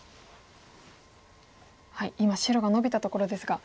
今白がノビたところですが。